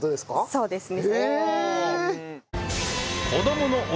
そうですね。